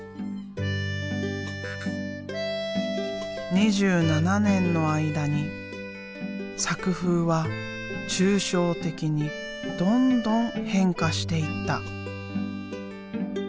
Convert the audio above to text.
２７年の間に作風は抽象的にどんどん変化していった。